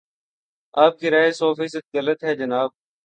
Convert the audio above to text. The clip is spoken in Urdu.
آپ کی رائے سو فیصد غلط ہے